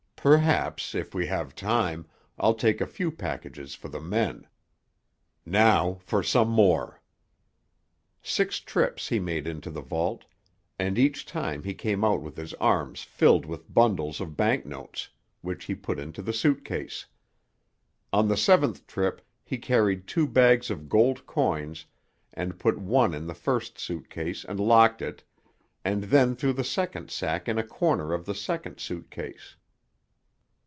Perhaps, if we have time, I'll take a few packages for the men. Now for some more." Six trips he made into the vault, and each time he came out with his arms filled with bundles of bank notes, which he put into the suit case. On the seventh trip he carried two bags of gold coins and put one in the first suit case and locked it, and then threw the second sack in a corner of the second suit case.